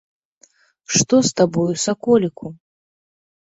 Што з табою, саколіку?!